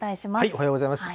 おはようございます。